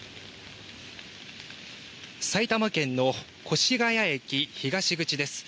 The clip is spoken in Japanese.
埼玉県の越谷駅東口です。